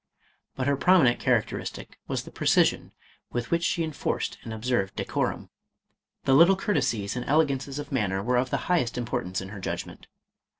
But her prominent char acteristic was the precision with which she enforced and observed decorum; the little courtesies and ele gances of manner were of the highest importance in her judgment.